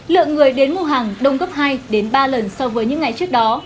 lượng người đến mua hàng đông gấp hai đến ba lần so với những ngày trước đó